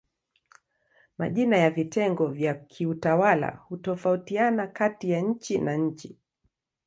Majina ya vitengo vya kiutawala hutofautiana kati ya nchi na nchi.